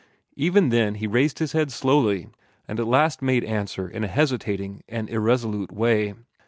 Even then he raised his head slowly, and at last made answer in a hesitating and irresolute way.